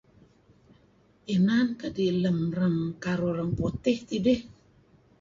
Inan kadi' idih lem karuh urang outih teh idih.